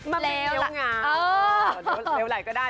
มาเป็นเลวงาม